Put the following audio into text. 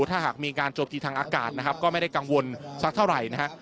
ถ้าหากมีการโจมตีทางอากาศนะครับก็ไม่ได้กังวลสักเท่าไหร่นะฮะ